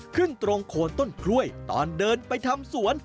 ขึ้นตรงโคนต้นกล้วยตอนเดินไปทำสวน